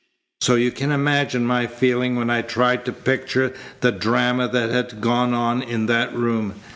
So you can imagine my feelings when I tried to picture the drama that had gone on in that room.